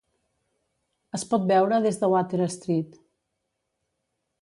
Es pot veure des de Water Street.